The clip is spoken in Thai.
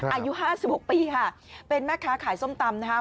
อายุ๕๖ปีค่ะเป็นแม่ค้าขายส้มตำนะครับ